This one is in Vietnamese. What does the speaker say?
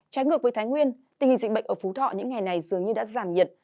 trái ngược với thái nguyên tình hình dịch bệnh ở phú thọ những ngày này dường như đã giảm nhiệt